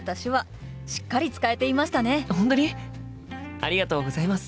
ありがとうございます！